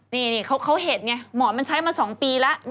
นี่เขาเห็นไงหมอนมันใช้มา๒ปีแล้ว